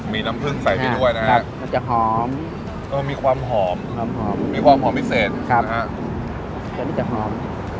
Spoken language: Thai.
มีน้ำผึ้งใส่ไปด้วยนะครับมันจะหอมมีความหอมมีความหอมพิเศษครับอันนี้จะหอม